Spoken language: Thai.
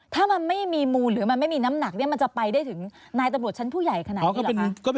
ถ้ามันไม่มีมูลหรือมันไม่มีน้ำหนักมันจะไปได้ถึงนายตำรวจชั้นผู้ใหญ่ขนาดนี้เหรอคะ